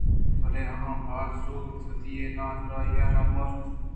بلئے آہاں باز زُوت وتی اے نادانیءَرا مَرت